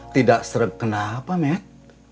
tidak seret kenapa nek